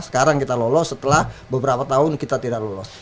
sekarang kita lolos setelah beberapa tahun kita tidak lolos